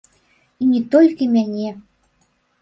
І не толькі мяне.